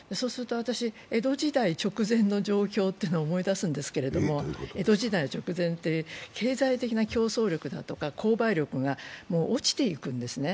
江戸時代直前の状況というのを思い出すんですけれども経済的な競争力だとか購買力が落ちていくんですね。